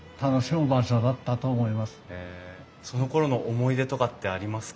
そのころの思い出とかってありますか？